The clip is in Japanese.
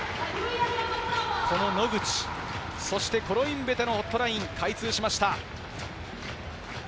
野口、コロインベテのホットライン開通しました。